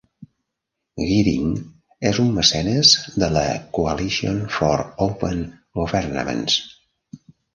Geering és un mecenes de la Coalition for Open Governaments.